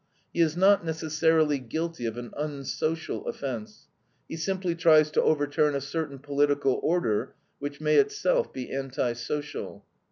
He is not necessarily guilty of an unsocial offense; he simply tries to overturn a certain political order which may itself be anti social.